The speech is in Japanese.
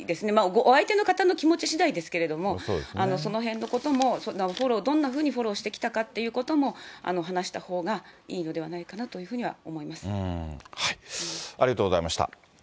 お相手の方の気持ちしだいですけれども、そのへんのこともフォロー、どんなふうにフォローしたかということも話したほうがいいのではありがとうございました。